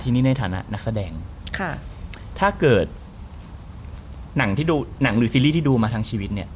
ทีนี้ในฐานะนักแสดงถ้าเกิดหนังหรือซีรีส์ที่ดูมาทั้งชีวิต